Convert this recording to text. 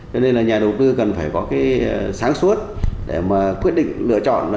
cho nên nhà đầu tư cần phải có sáng suốt để quyết định lựa chọn